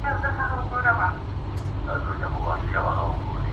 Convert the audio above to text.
زیندۍ به نه وي، دار به نه وي، جلادان به نه وي،